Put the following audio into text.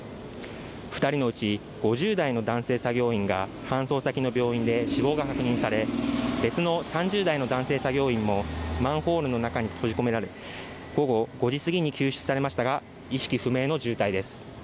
２人のうち５０代の男性作業員が搬送先の病院で死亡が確認され別の３０代の男性作業員も、マンホールの中に閉じ込められ午後５時すぎに救出されましたが意識不明の重体です。